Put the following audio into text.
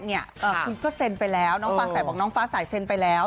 คุณก็เซ็นไปแล้วน้องฟ้าสายบอกน้องฟ้าสายเซ็นไปแล้ว